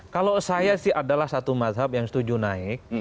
kalau saya sih adalah satu mazhab yang setuju naik